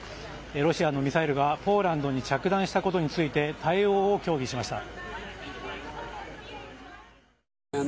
ロシアのミサイルがポーランドに着弾したことについて対応を協議しました。